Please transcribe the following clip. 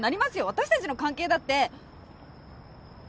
私たちの関係だって。